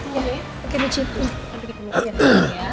nanti kita berbincang